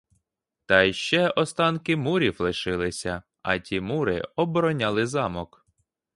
Та й ще останки мурів лишилися, а ті мури обороняли замок.